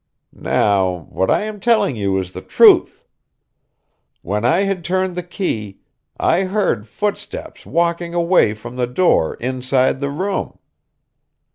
Now, what I am telling you is the truth. When I had turned the key, I heard footsteps walking away from the door inside the room.